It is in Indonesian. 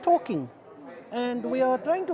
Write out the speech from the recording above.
dan kami sedang mencoba membangun